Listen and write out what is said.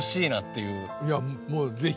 いやもう是非。